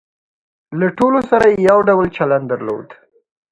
له ټولو سره یې یو ډول چلن درلود.